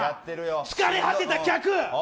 疲れ果てた客！